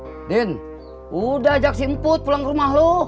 udin udah ajak si emput pulang ke rumah lo